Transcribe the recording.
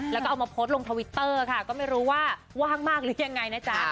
แล้วก็เอามาโพสต์ลงทวิตเตอร์ค่ะก็ไม่รู้ว่าว่างมากหรือยังไงนะจ๊ะ